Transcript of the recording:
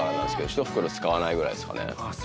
１袋使わないぐらいですかね・ああ